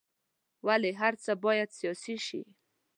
ولې هر څه باید سیاسي شي.